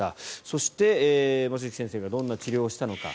そして、望月先生がどんな治療をしたのか。